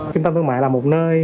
kinh tâm thương mại là một nơi